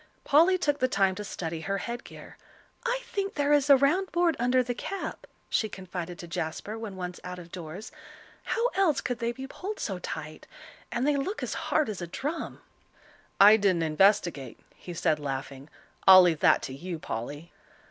Polly took the time to study her headgear. "I think there is a round board under the cap," she confided to Jasper when once out of doors; "how else could they be pulled so tight? And they look as hard as a drum." "I didn't investigate," he said, laughing. "I'll leave that to you, Polly."